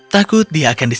takut dia akan disingkirkan